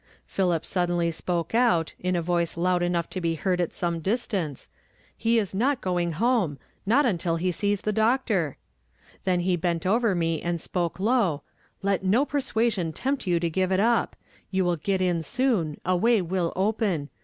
Philip suddenly spoke out, in a voice loud enouoh to be heard at some distance. ' He is not going home; not until he sees the doctor!' Tlien he bent over me and spoke low, 'Let no persua sion tempt you to give it up ; you will get in soon ; a way will open.